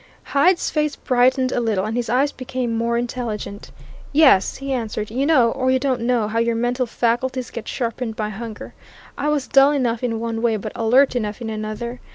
Hyde's face brightened a little, and his eyes became more intelligent. "Yes!" he answered. "You know or you don't know how your mental faculties get sharpened by hunger. I was dull enough, in one way, but alert enough in another.